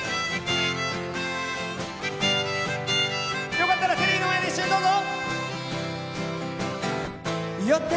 よかったらテレビの前で一緒にどうぞ！